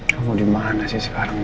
kamu dimana sih sekarang